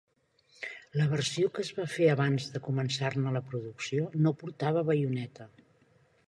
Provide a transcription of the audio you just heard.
La versió que es va fer abans de començar-ne la producció no portava baioneta.